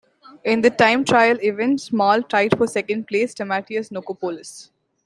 In the time trial event, Schmal tied for second place Stamatios Nikolopoulos.